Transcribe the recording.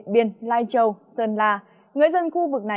xin chào các bạn